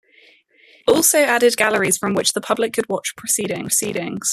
He also added galleries from which the public could watch proceedings.